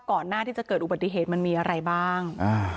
ก่อนหน้าที่จะเกิดอุบัติเหตุมันมีอะไรบ้าง